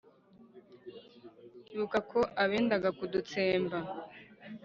Ibuka ko abendaga kudutsemba